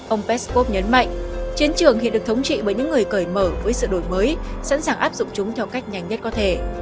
ông peskov nhấn mạnh chiến trường hiện được thống trị bởi những người cởi mở với sự đổi mới sẵn sàng áp dụng chúng theo cách nhanh nhất có thể